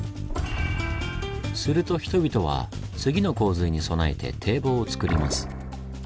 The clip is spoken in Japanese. すると人々は次の洪水に備えて堤防をつくります。